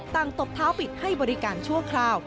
ตบเท้าปิดให้บริการชั่วคราว